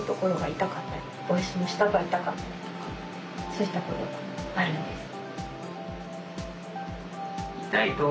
そうしたことがあるんです。